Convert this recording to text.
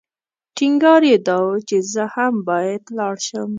ټینګار یې دا و چې زه هم باید لاړ شم.